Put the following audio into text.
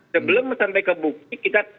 sebelum sampai ke bukti kita ingin juga